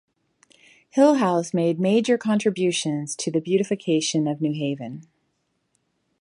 Hillhouse made major contributions to the beautification of New Haven.